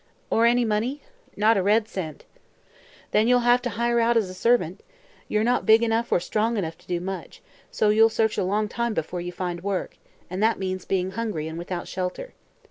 "Or any money?" "Not a red cent." "Then you'll have to hire out as a servant. You're not big enough or strong enough to do much, so you'll search a long time before you find work, and that means being hungry and without shelter.